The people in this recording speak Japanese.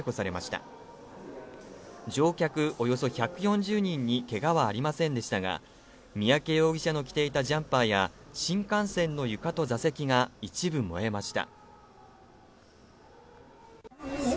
およそ１４０人にけがはありませんでしたが三宅容疑者の着ていたジャンパーや新幹線の床と座席が一部、燃えました。